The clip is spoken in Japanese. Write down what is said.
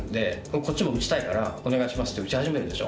こっちも打ちたいからお願いしますって打ち始めるでしょ。